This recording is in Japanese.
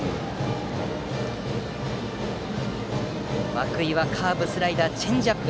涌井はカーブ、スライダーチェンジアップ。